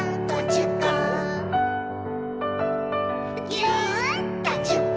「ぎゅっとじゅっこ」